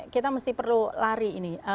kita mesti perlu lari